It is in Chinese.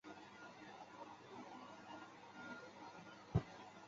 位于伦敦西敏市圣约翰伍德的阿比路。